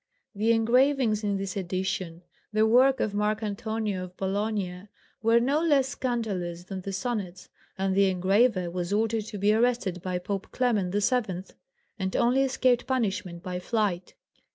The engravings in this edition, the work of Marc Antonio of Bolgna, were no less scandalous than the sonnets, and the engraver was ordered to be arrested by Pope Clement VII., and only escaped punishment by flight.